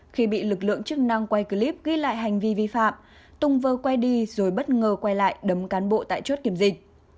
khi bị lực lượng chức năng quay clip ghi lại hành vi vi phạm tùng vơ quay đi rồi bất ngờ quay lại đấm cán bộ tại chốt kiểm dịch